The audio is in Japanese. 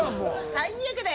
最悪だよ。